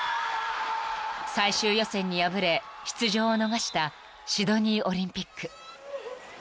［最終予選に敗れ出場を逃したシドニーオリンピック］